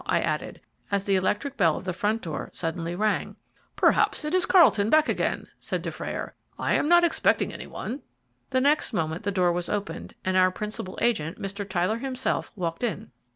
I added, as the electric bell of the front door suddenly rang. "Perhaps it is Carlton back again," said Dufrayer; "I am not expecting any one." The next moment the door was opened, and our principal agent, Mr. Tyler himself, walked in.